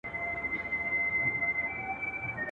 تر ابده به باقي وي زموږ یووالی لاس تر غاړه..